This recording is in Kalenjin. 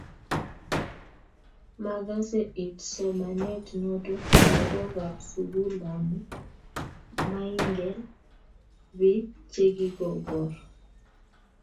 magasee it somanet noto lagookab sugulamu maingeen biik chegigoboor